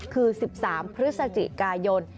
คือ๑๓พฤศจิกายน